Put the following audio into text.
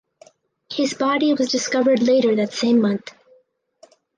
His body was discovered later that same month.